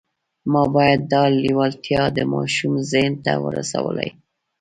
ما باید دا لېوالتیا د ماشوم ذهن ته ورسولای